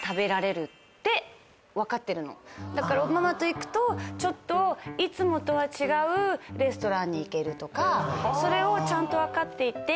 だからママと行くとちょっといつもとは違うレストランに行けるとかそれをちゃんと分かっていて。